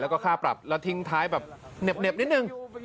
แล้วก็ค่าปรับแล้วทิ้งท้ายแบบเหน็บนิดนึง